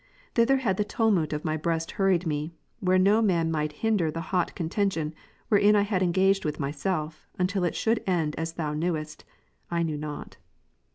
Thither had the tumult of my breast hurried me, where no man might hinder the hot con tention wherein I had engaged with myself, until it should end as Thou knewest, I knew not.